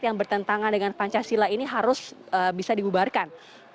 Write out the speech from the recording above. yang bertentangan dengan pancasila ini harus bisa dibubarkan